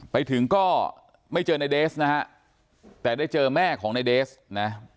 ไปถึงก็ไม่เจอนายเดสนะครับแต่ได้เจอแม่ของนายเดสนะ